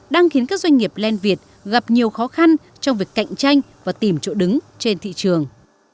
đang khiến các doanh nghiệp len việt gặp nhiều khó khăn trong việc cạnh tranh và tìm chỗ đứng trên thị trường